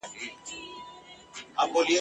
زه اړ نه یم چی را واخلم تصویرونه ..